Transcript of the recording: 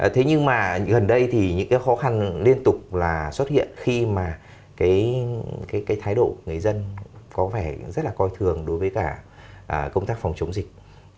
thế nhưng mà gần đây thì những cái khó khăn liên tục là xuất hiện khi mà cái thái độ người dân có vẻ rất là coi thường đối với cả công tác phòng chống dịch